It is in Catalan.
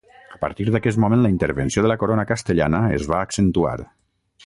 A partir d'aquest moment la intervenció de la corona castellana es va accentuar.